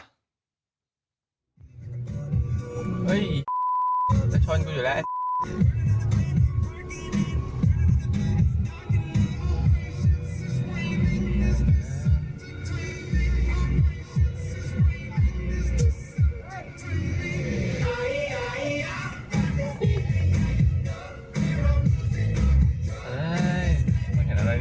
เฮ้ยไอ้